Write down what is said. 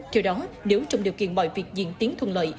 theo đó nếu trong điều kiện mọi việc diễn tiến thuận lợi